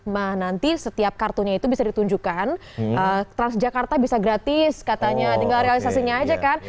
nah nanti setiap kartunya itu bisa ditunjukkan transjakarta bisa gratis katanya tinggal realisasinya aja kan